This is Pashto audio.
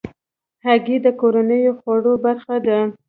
هګۍ د کورنیو خوړو برخه ده.